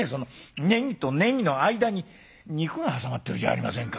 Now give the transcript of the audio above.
ネギとネギの間に肉が挟まってるじゃありませんか」。